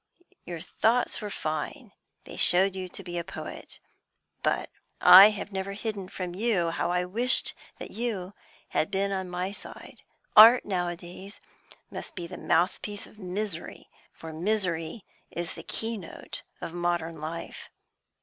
Your thoughts were fine; they showed you to be a poet; but I have never hidden from you how I wished that you had been on my side. Art, nowadays, must be the mouthpiece of misery, for misery is the key note of modern life."